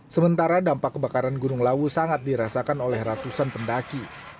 sementara dampak kebakaran gunung lawu sangat dirasakan oleh ratusan pendaki